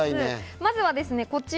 まずはこちら。